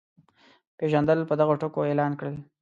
پېژندل په دغو ټکو اعلان کړل.